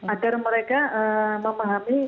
agar mereka memahami